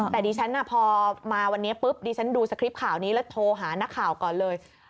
แต่ดิฉันพอมาวันนี้ปุ๊บดิฉันดูสคริปต์ข่าวนี้แล้วโทรหานักข่าวก่อนเลย